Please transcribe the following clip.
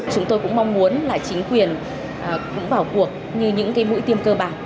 chúng tôi cũng mong muốn là chính quyền cũng vào cuộc như những mũi tiêm cơ bản